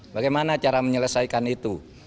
bagaimana cara menyelesaikan itu